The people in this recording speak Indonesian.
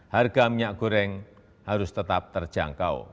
harga minyak goreng harus tetap terjangkau